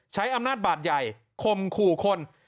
ใช้อำนาจบาดใหญ่คมขู่คน